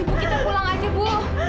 ibu kita pulang aja bu